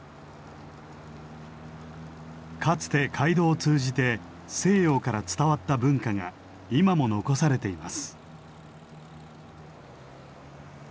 かつて街道を通じて西洋から伝わった文化が今も残されています。